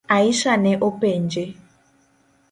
Aisha ne openje.